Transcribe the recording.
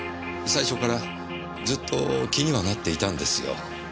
最初からずっと気にはなっていたんですよ。